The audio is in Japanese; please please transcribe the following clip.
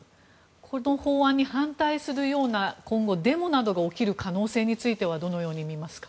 この法案に反対するようなデモが今後起きる可能性についてはどのように見ますか？